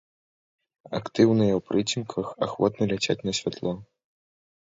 Актыўныя ў прыцемках, ахвотна ляцяць на святло.